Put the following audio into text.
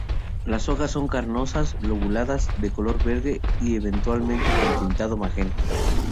Las hojas son carnosas, lobuladas, de color verde y eventualmente con tintado magenta.